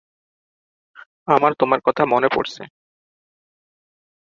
আমার তোমার কথা মনে পরছে।